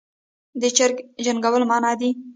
د چرګ جنګول منع دي